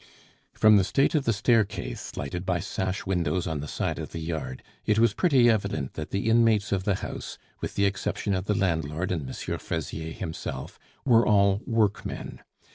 From the state of the staircase, lighted by sash windows on the side of the yard, it was pretty evident that the inmates of the house, with the exception of the landlord and M. Fraisier himself, were all workmen.